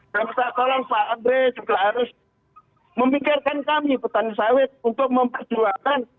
bapak andre juga harus memikirkan kami petani sawit untuk memperjuangkan